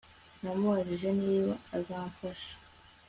Namubajije niba azamfasha